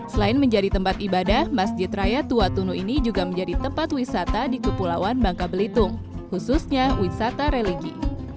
selain menjadi tempat ibadah masjid raya tua tunu ini juga menjadi tempat wisata di kepulauan bangka belitung khususnya wisata religi